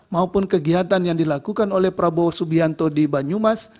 maupun kegiatan yang dilakukan oleh prabowo subianto di banyumas